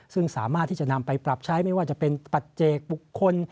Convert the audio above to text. ซึ่งสามารถที่จะนำไปปรับใช้ไม่ว่าจะเป็นปัจเจกบุคคล